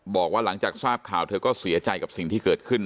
บอกว่าหลังจากทราบข่าวเธอก็เสียใจกับสิ่งที่เกิดขึ้น